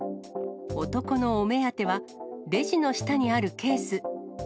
男のお目当ては、レジの下にあるケース。